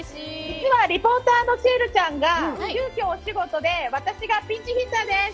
実はリポーターのシエルちゃんが急遽お仕事で私がピッチヒッターです！